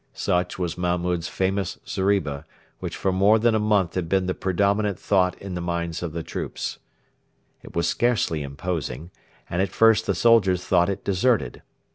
Such was Mahmud's famous zeriba, which for more than a month had been the predominant thought in the minds of the troops. It was scarcely imposing, and at first the soldiers thought it deserted.